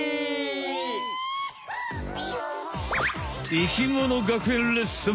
生きもの学園レッスン。